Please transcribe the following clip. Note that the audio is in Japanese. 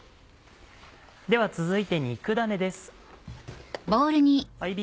では続いて肉ダネです。